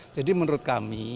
jadi menurut kami